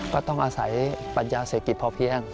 ก็ต้องอาศัยปัญญาเศรษฐกิจพอเพียง